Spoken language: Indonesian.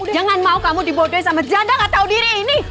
jangan mau kamu dibodoh sama janda nggak tahu diri ini